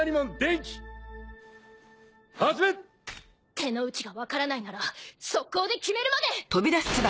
手の内がわからないなら速攻で決めるまで！